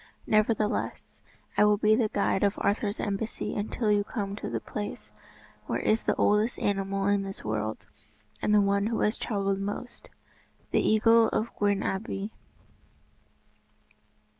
Nevertheless, I will be the guide of Arthur's embassy until you come to the place where is the oldest animal in this world, and the one who has travelled most, the Eagle of Gwern Abwy."